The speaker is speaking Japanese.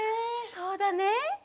そうだね。